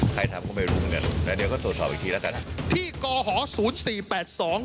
ใครทำก็ไม่รู้เหมือนกันแต่เดี๋ยวก็ตรวจสอบอีกทีแล้วกันที่กอหอศูนย์สี่แปดสอง